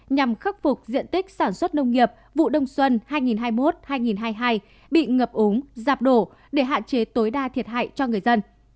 nhằm khắc phục diện tích sản xuất nông nghiệp vụ đông xuân hai nghìn hai mươi một hai nghìn hai mươi hai bị ngập úng giảm đổ để hạn chế tối đa thiệt hại cho người dân